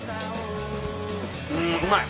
うんうまい！